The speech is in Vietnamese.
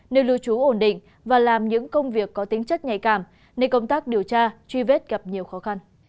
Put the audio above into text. nơi lưu trú ổn định và làm những công việc có tính chất nhạy cảm nên công tác điều tra truy vết gặp nhiều khó khăn